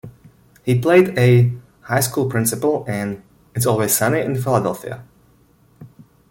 He played a high school principal in "It's Always Sunny in Philadelphia".